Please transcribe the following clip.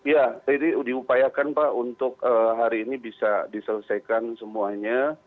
ya jadi diupayakan pak untuk hari ini bisa diselesaikan semuanya